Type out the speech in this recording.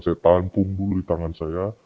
saya tampung dulu di tangan saya